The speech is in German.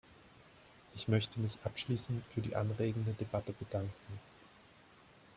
Ich möchte mich abschließend für die anregende Debatte bedanken.